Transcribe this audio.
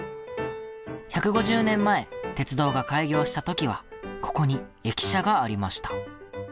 １５０年前鉄道が開業した時はここに駅舎がありました。